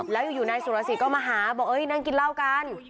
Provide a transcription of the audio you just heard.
แล้วอยู่นายสุรสิทธิ์ก็มาหาบอกนั่งกินเหล้ากัน